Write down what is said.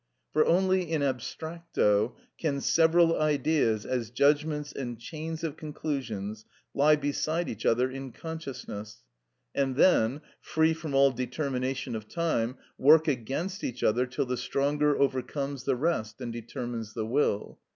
For only in abstracto can several ideas, as judgments and chains of conclusions, lie beside each other in consciousness, and then, free from all determination of time, work against each other till the stronger overcomes the rest and determines the will.